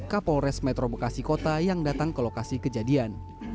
kapolres metro bekasi kota yang datang ke lokasi kejadian